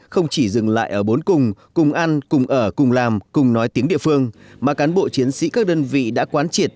không chỉ dừng lại ở bốn cùng cùng ăn cùng ở cùng làm cùng nói tiếng địa phương mà cán bộ chiến sĩ các đơn vị đã quán triệt